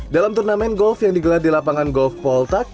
dalam turnamen golf yang digelar di lapangan golf poltuck